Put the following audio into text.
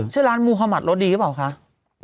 ชื่อร้านมุธมัติรสดีหรือเปล่าคะ